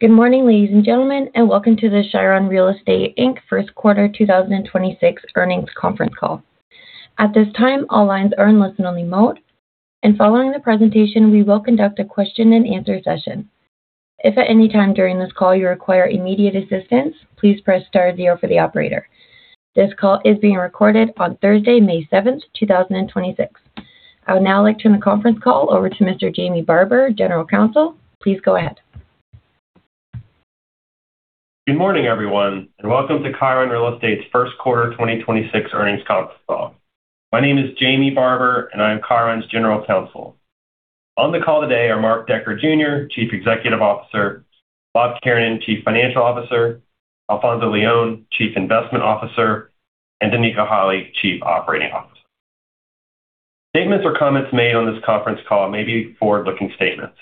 Good morning, ladies and gentlemen, and welcome to the Chiron Real Estate Inc. First Quarter 2026 Earnings Conference Call. At this time, all lines are in listen-only mode. Following the presentation, we will conduct a question and answer session. If at any time during this call you require immediate assistance, please press star zero for the operator. This call is being recorded on Thursday, May 7th, 2026. I would now like to turn the conference call over to Mr. Jamie Barber, General Counsel. Please go ahead. Good morning, everyone, and welcome to Chiron Real Estate's First Quarter 2026 Earnings Conference Call. My name is Jamie Barber, and I am Chiron's General Counsel. On the call today are Mark Decker Jr., Chief Executive Officer; Robert Kiernan, Chief Financial Officer; Alfonzo Leon, Chief Investment Officer; and Danica Holley, Chief Operating Officer. Statements or comments made on this conference call may be forward-looking statements.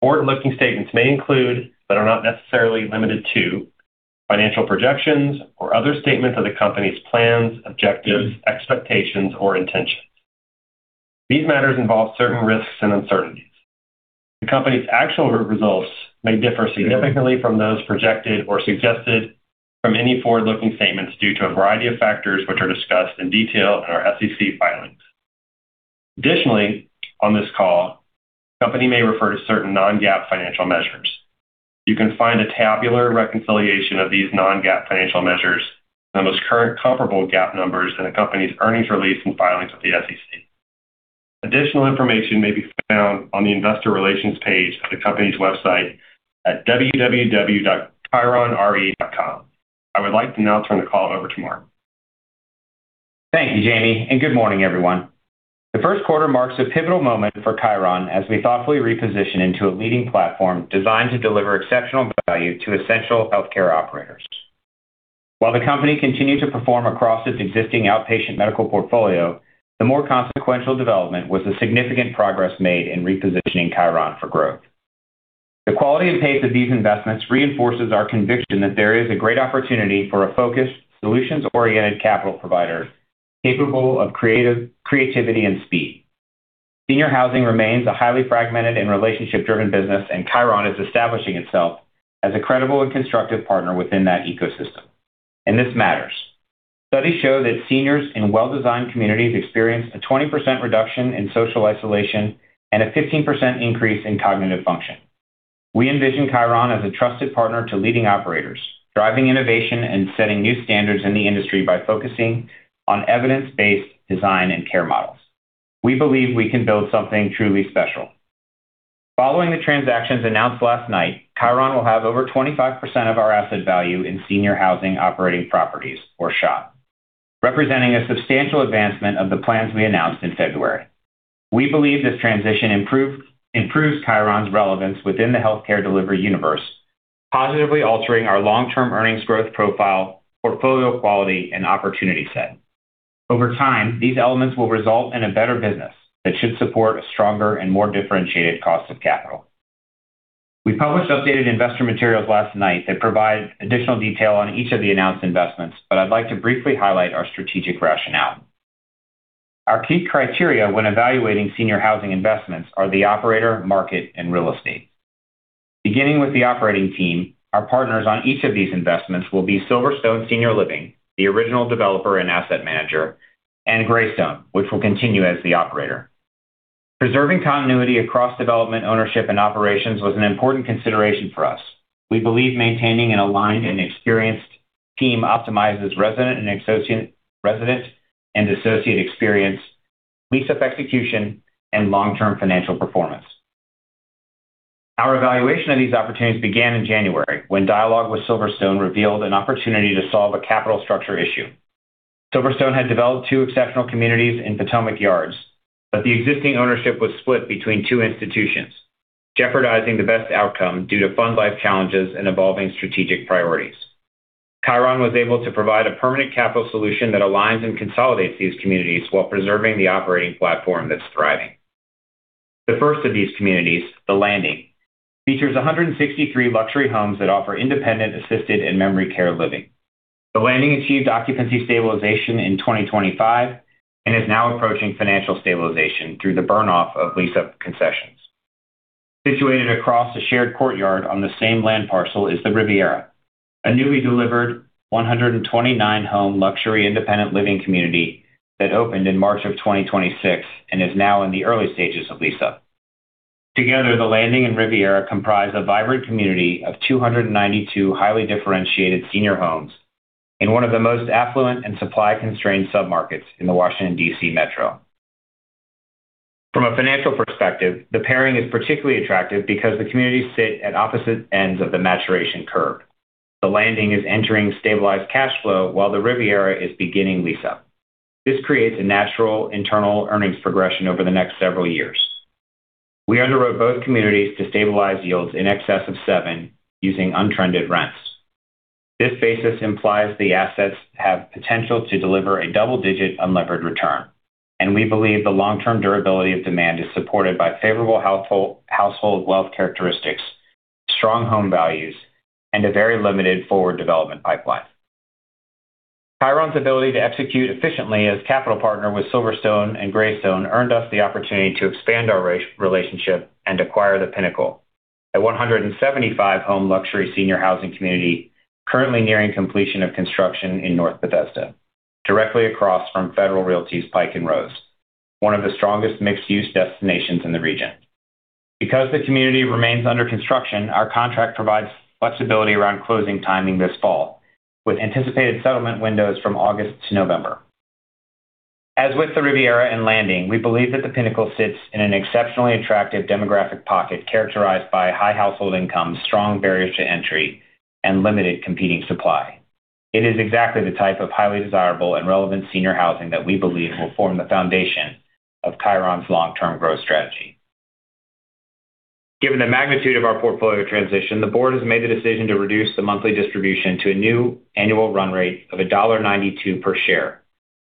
Forward-looking statements may include, but are not necessarily limited to, financial projections or other statements of the company's plans, objectives, expectations, or intentions. These matters involve certain risks and uncertainties. The company's actual results may differ significantly from those projected or suggested from any forward-looking statements due to a variety of factors which are discussed in detail in our SEC filings. Additionally, on this call, the company may refer to certain non-GAAP financial measures. You can find a tabular reconciliation of these non-GAAP financial measures and the most current comparable GAAP numbers in the company's earnings release and filings with the SEC. Additional information may be found on the investor relations page of the company's website at www.chironre.com. I would like to now turn the call over to Mark. Thank you, Jamie, and good morning, everyone. The first quarter marks a pivotal moment for Chiron as we thoughtfully reposition into a leading platform designed to deliver exceptional value to essential healthcare operators. While the company continued to perform across its existing outpatient medical portfolio, the more consequential development was the significant progress made in repositioning Chiron for growth. The quality and pace of these investments reinforces our conviction that there is a great opportunity for a focused, solutions-oriented capital provider capable of creativity and speed. Senior housing remains a highly fragmented and relationship-driven business, and Chiron is establishing itself as a credible and constructive partner within that ecosystem, and this matters. Studies show that seniors in well-designed communities experience a 20% reduction in social isolation and a 15% increase in cognitive function. We envision Chiron as a trusted partner to leading operators, driving innovation and setting new standards in the industry by focusing on evidence-based design and care models. We believe we can build something truly special. Following the transactions announced last night, Chiron will have over 25% of our asset value in senior housing operating properties or SHOP, representing a substantial advancement of the plans we announced in February. We believe this transition improves Chiron's relevance within the healthcare delivery universe, positively altering our long-term earnings growth profile, portfolio quality, and opportunity set. Over time, these elements will result in a better business that should support a stronger and more differentiated cost of capital. We published updated investor materials last night that provide additional detail on each of the announced investments. I'd like to briefly highlight our strategic rationale. Our key criteria when evaluating senior housing investments are the operator, market, and real estate. Beginning with the operating team, our partners on each of these investments will be Silverstone Senior Living, the original developer and asset manager, and Greystone, which will continue as the operator. Preserving continuity across development, ownership, and operations was an important consideration for us. We believe maintaining an aligned and experienced team optimizes resident and associate experience, lease-up execution, and long-term financial performance. Our evaluation of these opportunities began in January when dialogue with Silverstone revealed an opportunity to solve a capital structure issue. Silverstone had developed two exceptional communities in Potomac Yard, but the existing ownership was split between two institutions, jeopardizing the best outcome due to fund life challenges and evolving strategic priorities. Chiron was able to provide a permanent capital solution that aligns and consolidates these communities while preserving the operating platform that's thriving. The first of these communities, The Landing, features 163 luxury homes that offer independent, assisted, and memory care living. The Landing achieved occupancy stabilization in 2025 and is now approaching financial stabilization through the burn off of lease-up concessions. Situated across a shared courtyard on the same land parcel is The Riviera, a newly delivered 129 home luxury independent living community that opened in March of 2026 and is now in the early stages of lease-up. Together, The Landing and Riviera comprise a vibrant community of 292 highly differentiated senior homes in one of the most affluent and supply-constrained submarkets in the Washington, D.C. Metro. From a financial perspective, the pairing is particularly attractive because the communities sit at opposite ends of the maturation curve. The Landing is entering stabilized cash flow while The Riviera is beginning lease-up. This creates a natural internal earnings progression over the next several years. We underwrote both communities to stabilize yields in excess of seven using untrended rents. This basis implies the assets have potential to deliver a double-digit unlevered return, and we believe the long-term durability of demand is supported by favorable household wealth characteristics, strong home values, and a very limited forward development pipeline. Chiron's ability to execute efficiently as capital partner with Silverstone and Greystone earned us the opportunity to expand our relationship and acquire the Pinnacle. At 175 home luxury senior housing community currently nearing completion of construction in North Bethesda, directly across from Federal Realty's Pike & Rose, one of the strongest mixed-use destinations in the region. Because the community remains under construction, our contract provides flexibility around closing timing this fall, with anticipated settlement windows from August to November. As with The Riviera and The Landing, we believe that the Pinnacle sits in an exceptionally attractive demographic pocket characterized by high household income, strong barriers to entry, and limited competing supply. It is exactly the type of highly desirable and relevant senior housing that we believe will form the foundation of Chiron's long-term growth strategy. Given the magnitude of our portfolio transition, the board has made the decision to reduce the monthly distribution to a new annual run rate of $1.92 per share,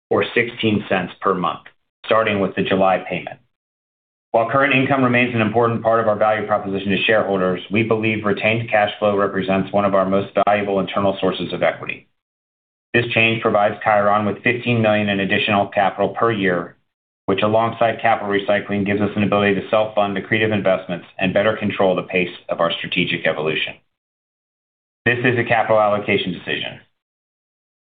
or $0.16 per month, starting with the July payment. While current income remains an important part of our value proposition to shareholders, we believe retained cash flow represents one of our most valuable internal sources of equity. This change provides Chiron with $15 million in additional capital per year, which alongside capital recycling, gives us an ability to self-fund accretive investments and better control the pace of our strategic evolution. This is a capital allocation decision.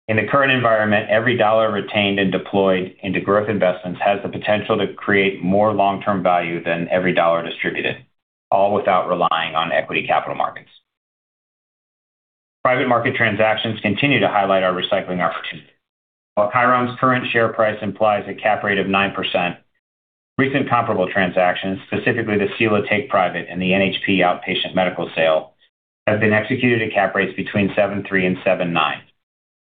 In the current environment, every dollar retained and deployed into growth investments has the potential to create more long-term value than every dollar distributed, all without relying on equity capital markets. Private market transactions continue to highlight our recycling opportunity. While Chiron's current share price implies a cap rate of 9%, recent comparable transactions, specifically the Sila take private and the NHP outpatient medical sale, have been executed at cap rates between 7.3% and 7.9%,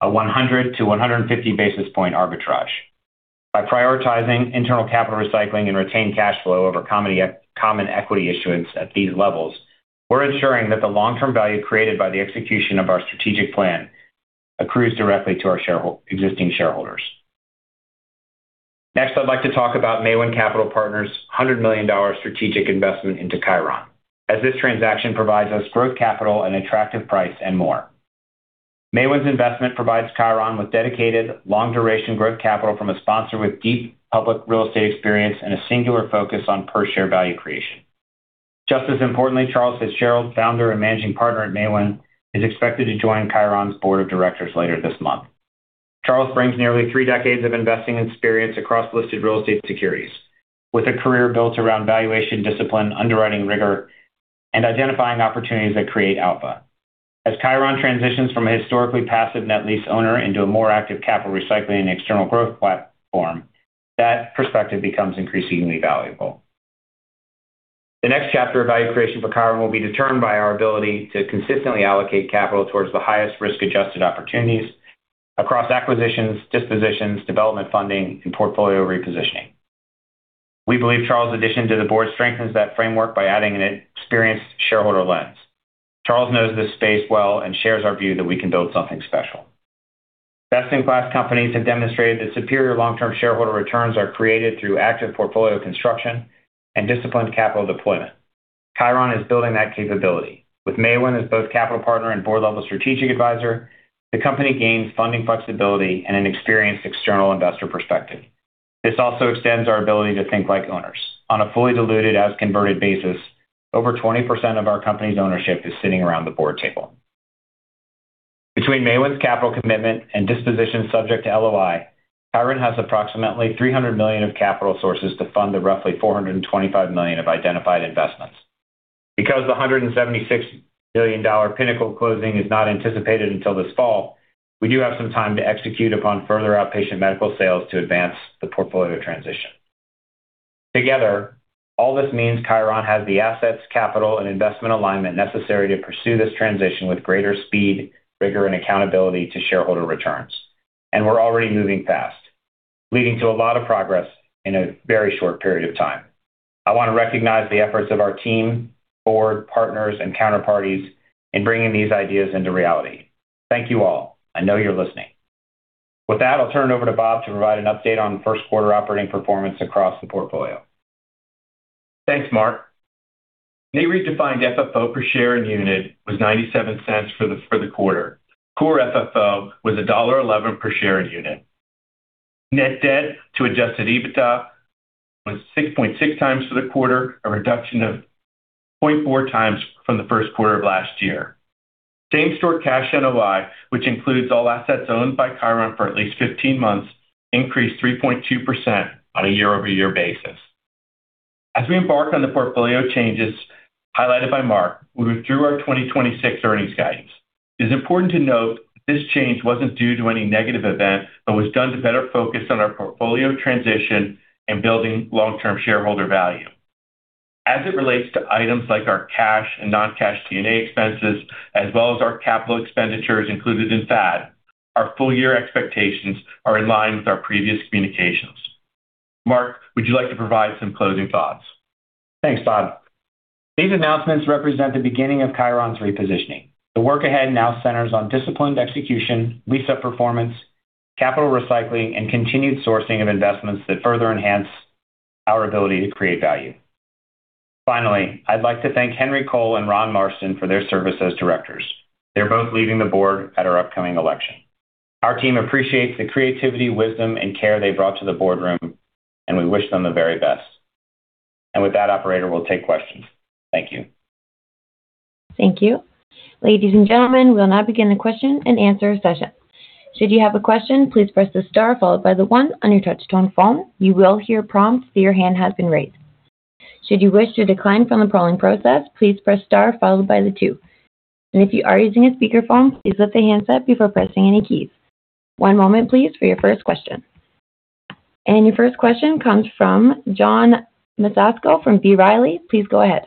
a 100-150 basis point arbitrage. By prioritizing internal capital recycling and retained cash flow over common equity issuance at these levels, we're ensuring that the long-term value created by the execution of our strategic plan accrues directly to our existing shareholders. Next, I'd like to talk about Maewyn Capital Partners' $100 million strategic investment into Chiron, as this transaction provides us growth capital, an attractive price, and more. Maewyn's investment provides Chiron with dedicated, long-duration growth capital from a sponsor with deep public real estate experience and a singular focus on per share value creation. Just as importantly, Charles P. Fitzgerald, Founder and Managing Partner at Maewyn, is expected to join Chiron's Board of Directors later this month. Charles brings nearly three decades of investing experience across listed real estate securities, with a career built around valuation discipline, underwriting rigor, and identifying opportunities that create alpha. As Chiron transitions from a historically passive net lease owner into a more active capital recycling and external growth platform, that perspective becomes increasingly valuable. The next chapter of value creation for Chiron will be determined by our ability to consistently allocate capital towards the highest risk-adjusted opportunities across acquisitions, dispositions, development funding, and portfolio repositioning. We believe Charles' addition to the Board strengthens that framework by adding an experienced shareholder lens. Charles knows this space well and shares our view that we can build something special. Best-in-class companies have demonstrated that superior long-term shareholder returns are created through active portfolio construction and disciplined capital deployment. Chiron is building that capability. With Maewyn as both capital partner and board-level strategic advisor, the company gains funding flexibility and an experienced external investor perspective. This also extends our ability to think like owners. On a fully diluted as converted basis, over 20% of our company's ownership is sitting around the board table. Between Maewyn's capital commitment and disposition subject to LOI, Chiron has approximately $300 million of capital sources to fund the roughly $425 million of identified investments. Because the $176 billion Pinnacle closing is not anticipated until this fall, we do have some time to execute upon further outpatient medical sales to advance the portfolio transition. Together, all this means Chiron has the assets, capital, and investment alignment necessary to pursue this transition with greater speed, rigor, and accountability to shareholder returns. We're already moving fast, leading to a lot of progress in a very short period of time. I want to recognize the efforts of our team, board, partners, and counterparties in bringing these ideas into reality. Thank you all. I know you're listening. With that, I'll turn it over to Bob to provide an update on first quarter operating performance across the portfolio. Thanks, Mark. Nareit defined FFO per share and unit was $0.97 for the quarter. Core FFO was $1.11 per share and unit. Net debt to Adjusted EBITDA was 6.6 times for the quarter, a reduction of 0.4 times from the first quarter of last year. Same-store cash NOI, which includes all assets owned by Chiron for at least 15 months, increased 3.2% on a year-over-year basis. As we embark on the portfolio changes highlighted by Mark, we withdrew our 2026 earnings guidance. It is important to note this change wasn't due to any negative event, but was done to better focus on our portfolio transition and building long-term shareholder value. As it relates to items like our cash and non-cash G&A expenses, as well as our capital expenditures included in FAD, our full year expectations are in line with our previous communications. Mark, would you like to provide some closing thoughts? Thanks, Bob. These announcements represent the beginning of Chiron's repositioning. The work ahead now centers on disciplined execution, lease-up performance, capital recycling, and continued sourcing of investments that further enhance our ability to create value. Finally, I'd like to thank Henry Cole and Ronald Marston for their service as directors. They're both leaving the board at our upcoming election. Our team appreciates the creativity, wisdom, and care they brought to the boardroom, and we wish them the very best. With that, operator, we'll take questions. Thank you. Thank you. Ladies and gentlemen, we'll now begin the question-and-answer session. Should you have a question, please press the star followed by the one on your touch-tone phone. You will hear a prompt that your hand has been raised. Should you wish to decline from the polling process, please press star followed by the two. If you are using a speakerphone, please lift the handset before pressing any keys. One moment, please, for your first question. Your first question comes from John Massocca from B. Riley. Please go ahead.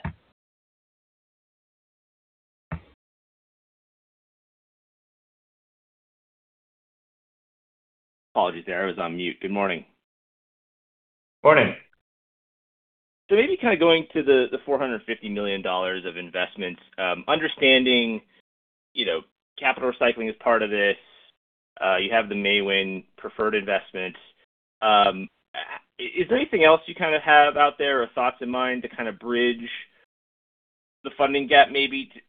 Apologies there. I was on mute. Good morning. Morning. Maybe kind of going to the $450 million of investments. Understanding, you know, capital recycling is part of this. You have the Maewyn preferred investment. Is there anything else you kind of have out there or thoughts in mind to kind of bridge the funding gap maybe to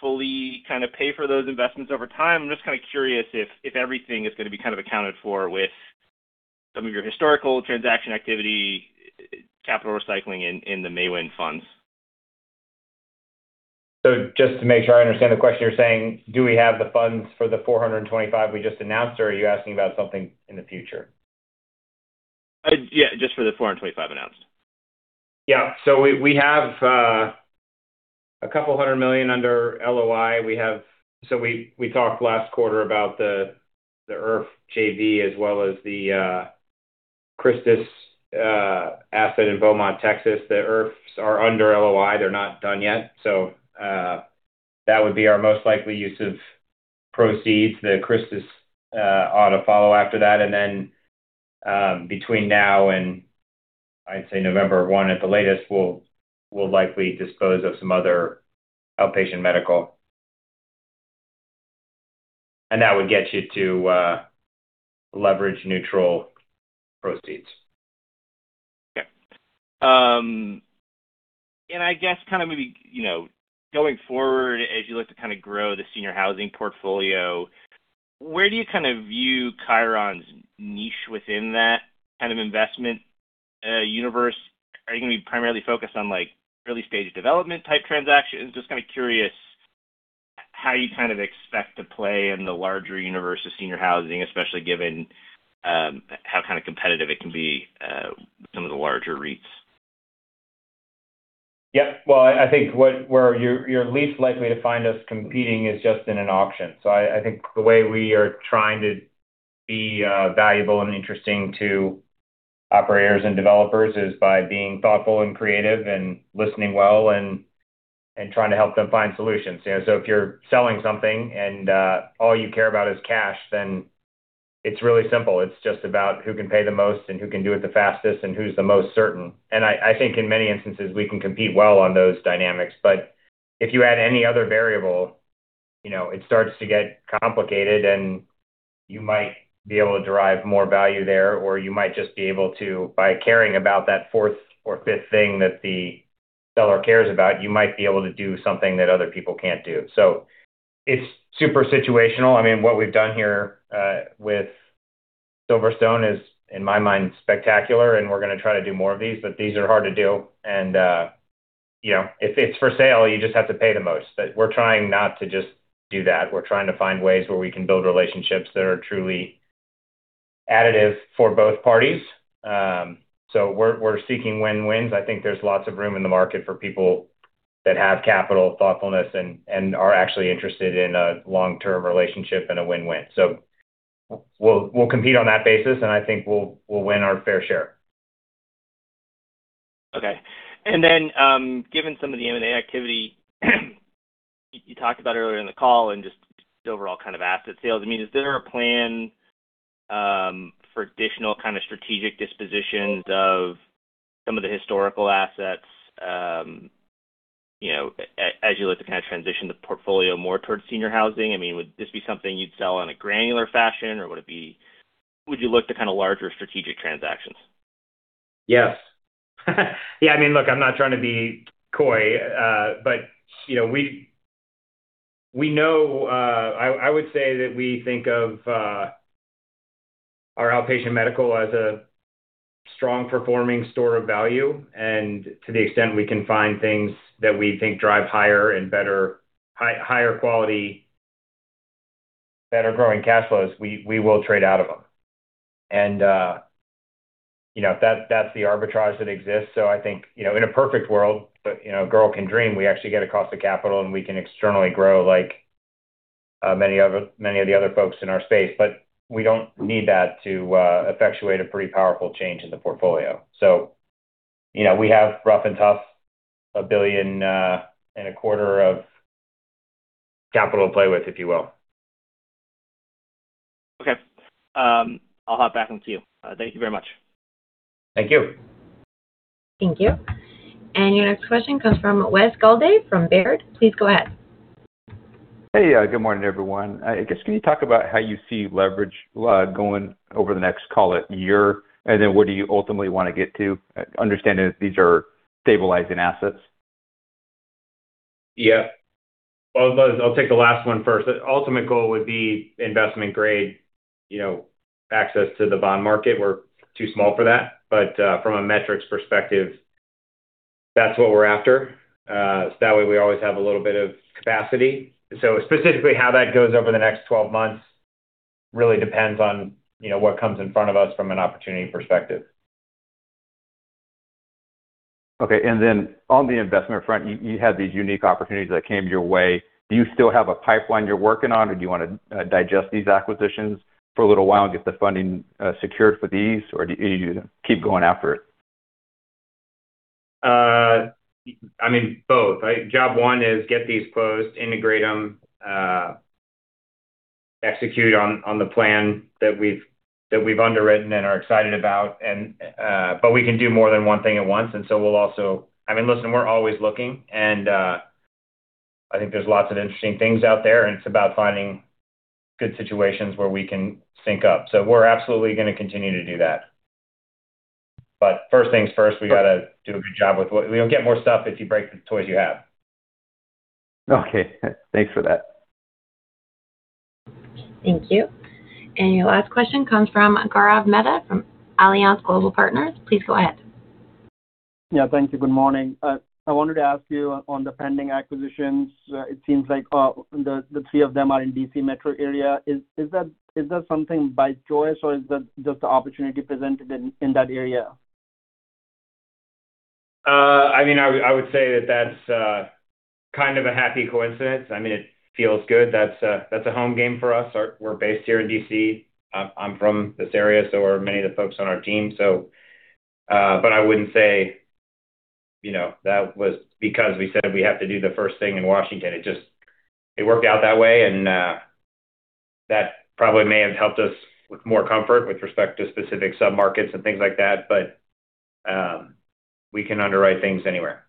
fully kind of pay for those investments over time? I'm just kind of curious if everything is going to be kind of accounted for with some of your historical transaction activity, capital recycling in the Maewyn funds. Just to make sure I understand the question, you're saying do we have the funds for the $425 we just announced, or are you asking about something in the future? Yeah, just for the $425 announced. Yeah. We have $200 million under LOI. We talked last quarter about the IRF JV as well as the CHRISTUS asset in Beaumont, Texas. The IRFs are under LOI. They're not done yet. That would be our most likely use of proceeds. The CHRISTUS ought to follow after that. Between now and I'd say November 1 at the latest, we'll likely dispose of some other outpatient medical. That would get you to leverage neutral proceeds. Okay. I guess kinda maybe, you know, going forward as you look to kinda grow the senior housing portfolio, where do you kind of view Chiron's niche within that kind of investment universe? Are you gonna be primarily focused on, like, early-stage development type transactions? Just kinda curious how you kind of expect to play in the larger universe of senior housing, especially given how kind of competitive it can be with some of the larger REITs? Yeah. Well, I think where you're least likely to find us competing is just in an auction. I think the way we are trying to be valuable and interesting to operators and developers is by being thoughtful and creative and listening well and trying to help them find solutions. You know, if you're selling something and all you care about is cash, then it's really simple. It's just about who can pay the most and who can do it the fastest and who's the most certain. I think in many instances, we can compete well on those dynamics. If you add any other variable, you know, it starts to get complicated, and you might be able to derive more value there, or you might just be able to, by caring about that fourth or fifth thing that the seller cares about, you might be able to do something that other people can't do. It's super situational. I mean, what we've done here, with Silverstone is, in my mind, spectacular, and we're gonna try to do more of these, but these are hard to do. You know, if it's for sale, you just have to pay the most. We're trying not to just do that. We're trying to find ways where we can build relationships that are truly additive for both parties. We're, we're seeking win-wins. I think there's lots of room in the market for people that have capital thoughtfulness and are actually interested in a long-term relationship and a win-win. We'll compete on that basis, and I think we'll win our fair share. Okay. Given some of the M&A activity you talked about earlier in the call and just overall kind of asset sales, I mean, is there a plan for additional kind of strategic dispositions of some of the historical assets, you know, as you look to kinda transition the portfolio more towards senior housing? I mean, would this be something you'd sell in a granular fashion, or would you look to kinda larger strategic transactions? Yes. Yeah. I mean, look, I'm not trying to be coy. You know, we know I would say that we think of our outpatient medical as a strong performing store of value. To the extent we can find things that we think drive higher and better, higher quality, better growing cash flows, we will trade out of them. You know, that's the arbitrage that exists. I think, you know, in a perfect world, you know, a girl can dream, we actually get a cost of capital, and we can externally grow like many of the other folks in our space. We don't need that to effectuate a pretty powerful change in the portfolio. You know, we have rough and tough $1.25 billion of capital to play with, if you will. Okay. I'll hop back onto you. Thank you very much. Thank you. Thank you. Your next question comes from Wes Golladay, from Baird. Please go ahead. Hey, good morning, everyone. I guess can you talk about how you see leverage going over the next, call it, year? What do you ultimately wanna get to, understanding that these are stabilizing assets. Yeah. Well, I'll take the last one first. The ultimate goal would be investment grade, you know, access to the bond market. We're too small for that. From a metrics perspective, that's what we're after. That way we always have a little bit of capacity. Specifically how that goes over the next 12 months really depends on, you know, what comes in front of us from an opportunity perspective. Okay. Then on the investment front, you had these unique opportunities that came your way. Do you still have a pipeline you're working on? Do you wanna digest these acquisitions for a little while and get the funding secured for these? Do you keep going after it? I mean, both, right? Job one is get these closed, integrate them, execute on the plan that we've underwritten and are excited about. But we can do more than one thing at once, we'll also I mean, listen, we're always looking, I think there's lots of interesting things out there, it's about finding good situations where we can sync up. We're absolutely gonna continue to do that. First things first, we gotta do a good job with what. You don't get more stuff if you break the toys you have. Okay. Thanks for that. Thank you. Your last question comes from Gaurav Mehta from Alliance Global Partners. Please go ahead. Yeah, thank you. Good morning. I wanted to ask you on the pending acquisitions, it seems like the three of them are in D.C. metro area. Is that something by choice or is that just the opportunity presented in that area? I would say that that's kind of a happy coincidence. It feels good. That's a home game for us. We're based here in D.C. I'm from this area, so are many of the folks on our team. I wouldn't say, you know, that was because we said we have to do the first thing in Washington. It worked out that way and that probably may have helped us with more comfort with respect to specific sub-markets and things like that. We can underwrite things anywhere.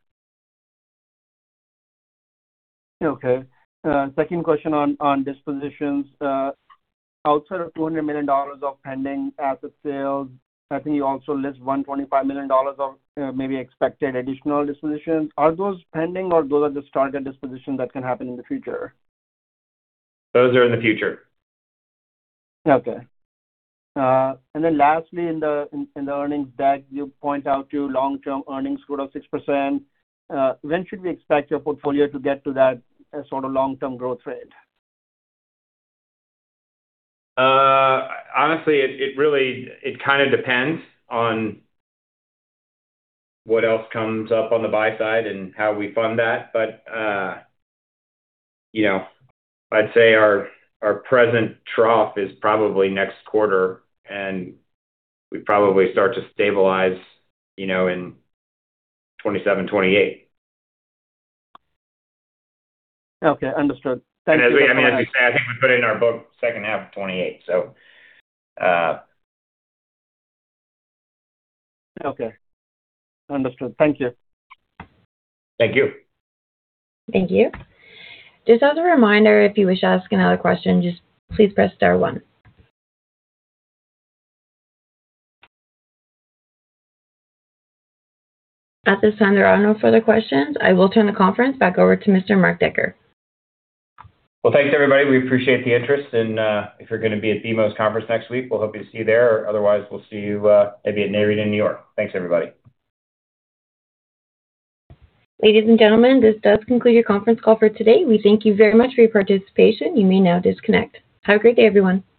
Okay. second question on dispositions. Outside of $200 million of pending asset sales, I think you also list $125 million of, maybe expected additional dispositions. Are those pending or those are the target dispositions that can happen in the future? Those are in the future. Okay. Lastly, in the earnings deck, you point out your long-term earnings growth of 6%. When should we expect your portfolio to get to that sort of long-term growth rate? Honestly, it kinda depends on what else comes up on the buy side and how we fund that. You know, I'd say our present trough is probably next quarter, and we probably start to stabilize, you know, in 2027, 2028. Okay, understood. Thank you very much. I mean, as we say, I think we put it in our book second half of 2028. Okay. Understood. Thank you. Thank you. Thank you. Just as a reminder, if you wish to ask another question, just please press star one. At this time, there are no further questions. I will turn the conference back over to Mark Decker. Well, thanks everybody. We appreciate the interest and, if you're gonna be at BMO's conference next week, we'll hope to see you there. Otherwise, we'll see you, maybe at Nareit in New York. Thanks, everybody. Ladies and gentlemen, this does conclude your conference call for today. We thank you very much for your participation. You may now disconnect. Have a great day, everyone.